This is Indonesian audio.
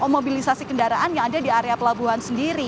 mobilisasi kendaraan yang ada di area pelabuhan sendiri